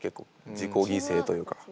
自己犠牲というか。